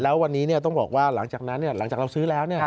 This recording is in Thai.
แล้ววันนี้ต้องบอกว่าหลังจากนั้นหลังจากเราซื้อแล้ว